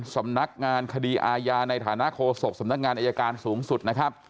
สำนักงานคดีอาญาในฐานะโฆษกสำนักงานอายการสูงสุดนะครับ